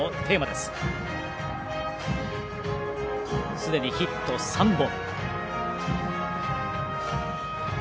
すでにヒット３本。